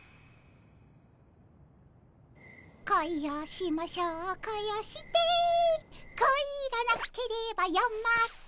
「恋をしましょう恋をして」「恋がなければ夜も明けぬ」